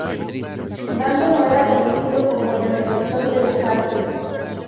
Dandolo era conocido como benefactor de las artes.